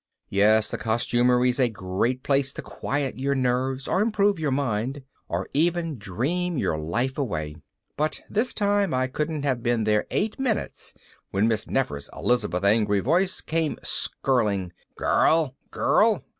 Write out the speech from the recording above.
Yes, the costumery's a great place to quiet your nerves or improve your mind or even dream your life away. But this time I couldn't have been there eight minutes when Miss Nefer's Elizabeth angry voice came skirling, "Girl! Girl!